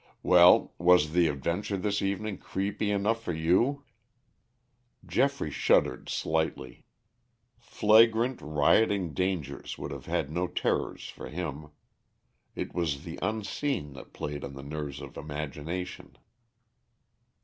"Well, was the adventure this evening creepy enough for you?" Geoffrey shuddered slightly. Flagrant, rioting dangers would have had no terrors for him. It was the unseen that played on the nerves of imagination.